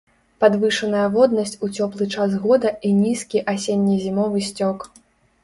Падвышаная воднасць у цёплы час года і нізкі асенне-зімовы сцёк.